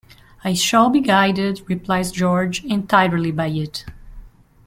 "I shall be guided," replies George, "entirely by it."